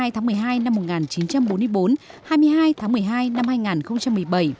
hai mươi tháng một mươi hai năm một nghìn chín trăm bốn mươi bốn hai mươi hai tháng một mươi hai năm hai nghìn một mươi bảy